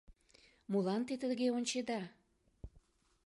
— Молан те тыге ончеда?